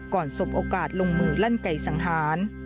ก่อนศพโอกาสลงมือลั่นไก่สังธาร